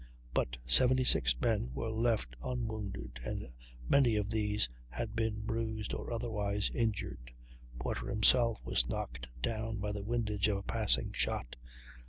But 76 men were left unwounded, and many of these had been bruised or otherwise injured. Porter himself was knocked down by the windage of a passing shot.